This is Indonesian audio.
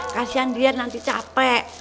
kasian dia nanti capek